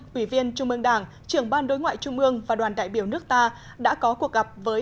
quỷ viên trung ương đảng trưởng ban đối ngoại trung ương và đoàn đại biểu nước ta đã có cuộc gặp với